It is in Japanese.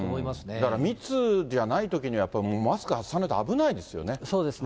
だから、密じゃないときには、マスク外さないと危ないですよね。